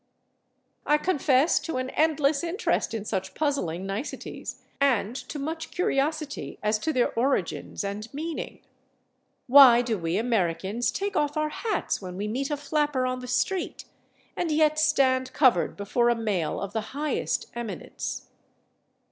I confess to an endless interest in such puzzling niceties, and to much curiosity as to their origins and meaning. Why do we Americans take off our hats when we meet a flapper on the street, and yet stand covered before a male of the highest eminence?